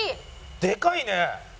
でかいね！